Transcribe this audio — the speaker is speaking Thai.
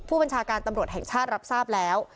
ผู้บัญชาการตำรวจแห่งชาติรับทราบแล้ว